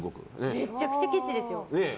めちゃくちゃケチですよ。